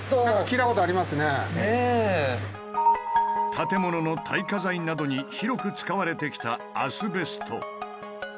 建物の耐火材などに広く使われてきたアスベスト。